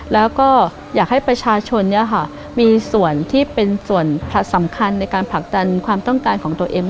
แล้วก็อยากให้ประชาชนมีส่วนที่เป็นส่วนผลสำคัญในการผลักดันความต้องการของตัวเอง